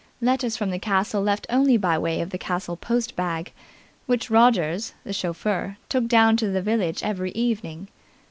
Letters from the castle left only by way of the castle post bag, which Rogers, the chauffeur, took down to the village every evening.